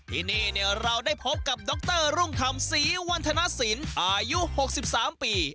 ที่นี่เราได้พบกับดรรุ่งธรรมศรีวันธนสินอายุ๖๓ปี